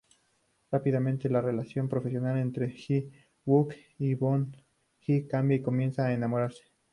Rápidamente al relación profesional entre Ji-wook y Bong-hee cambia y comienzan a enamorarse.